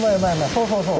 そうそうそう！